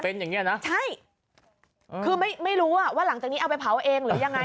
เป็นอย่างเงี้นะใช่คือไม่รู้ว่าหลังจากนี้เอาไปเผาเองหรือยังไง